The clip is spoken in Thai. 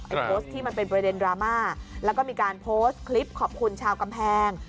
โพสต์ที่มันเป็นประเด็นดราม่าแล้วก็มีการโพสต์คลิปขอบคุณชาวกำแพง